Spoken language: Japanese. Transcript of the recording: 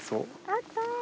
あったー。